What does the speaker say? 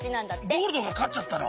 ゴールドがかっちゃったの？